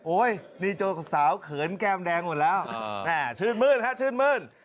นี่เจ้าสาวเขินแก้มแดงหมดแล้วแม่ชื่นมื้นฮะชื่นมื้น